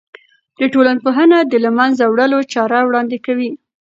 د ټولنپوهنه د له منځه وړلو چاره وړاندې کوي.